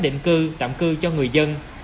định cư tạm cư cho người dân